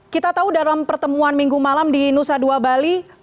kita tahu dalam pertemuan minggu malam di nusa dua bali